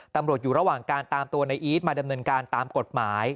ตำรวจอยู่ระหว่างการตามตัวในอีทมาดำเนินการตามกฎหมาย